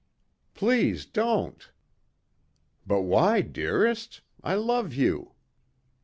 "Please, don't!" "But why, dearest? I love you."